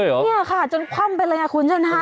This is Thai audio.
เนี่ยค่ะจนคว่ำไปเลยนะคุณฉันฮะ